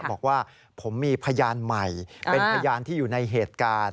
บอกว่าผมมีพยานใหม่เป็นพยานที่อยู่ในเหตุการณ์